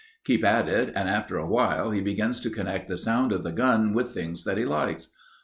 Keep at it, and after awhile he begins to connect the sound of the gun with things that he likes.